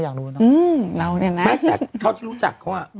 อยากรู้เนอะเราเนี่ยนะไม่แต่เท่าที่รู้จักเขาอ่ะ